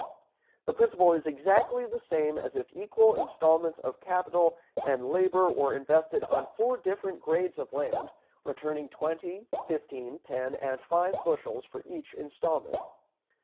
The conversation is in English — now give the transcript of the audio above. The principle is exactly the same as if equal installments of capital and labor were invested on four different grades of land returning twenty, fifteen, ten, and five bushels for each installment.